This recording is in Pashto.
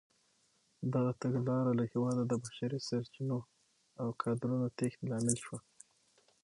دغه تګلاره له هېواده د بشري سرچینو او کادرونو تېښتې لامل شوه.